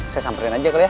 saya samperin aja ke lo ya